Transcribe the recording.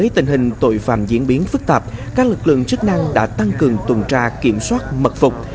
trong thời gian diễn biến phức tạp các lực lượng chức năng đã tăng cường tùn tra kiểm soát mật phục